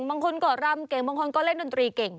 บางคนก็รำเก่งบางคนก็เล่นดนตรีเก่ง